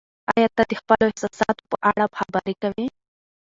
ایا ته د خپلو احساساتو په اړه خبرې کوې؟